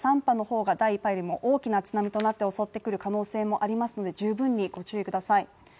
大きな津波となって襲ってくる可能性もありますので十分いご注意ください。